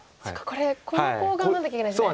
これこのコウ頑張んなきゃいけないんですね。